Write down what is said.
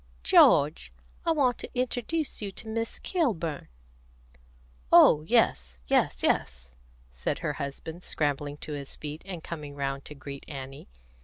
"George, I want to introduce you to Miss Kilburn." "Oh yes, yes, yes," said her husband, scrambling to his feet, and coming round to greet Annie.